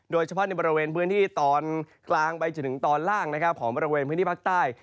โดยเฉพาะในบริเวณพื้นที่ตอนกลางไปจนถึงตอนล่างนะครับของบริเวณพื้นที่ภาคใต้